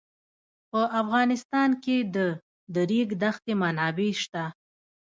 په افغانستان کې د د ریګ دښتې منابع شته.